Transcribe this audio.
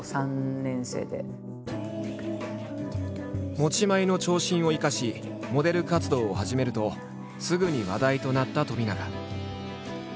持ち前の長身を生かしモデル活動を始めるとすぐに話題となった冨永。